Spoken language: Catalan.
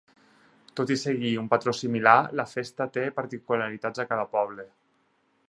Tot i seguir un patró similar, la festa té particularitats a cada poble.